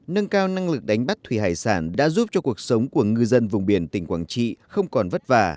nâng cao năng lực đánh bắt thủy hải sản đã giúp cho cuộc sống của ngư dân vùng biển tỉnh quảng trị không còn vất vả